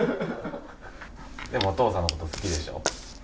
でもお父さんのこと好きでしょ？